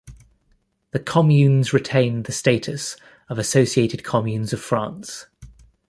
The communes retained the status of Associated communes of France.